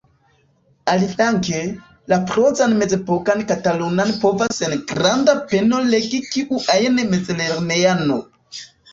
Aliflanke, la prozan mezepokan katalunan povas sen granda peno legi kiu ajn mezlernejano.